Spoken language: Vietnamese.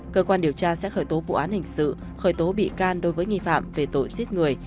cơ quan điều tra sẽ khởi tố vụ án hình sự khởi tố bị can đối với nghi phạm về tội giết người